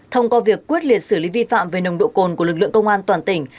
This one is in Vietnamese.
thông qua việc quyết liệt xử lý vi phạm về nồng độ cồn của lực lượng công an toàn tỉnh